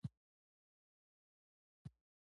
دا په منځني ختیځ کې د ناتوفیانو په څېر و